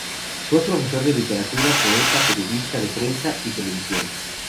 Fue profesor de literatura, poeta, periodista de prensa y televisión.